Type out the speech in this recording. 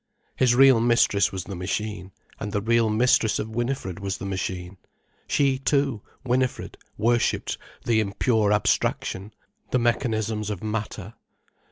His real mistress was the machine, and the real mistress of Winifred was the machine. She too, Winifred, worshipped the impure abstraction, the mechanisms of matter.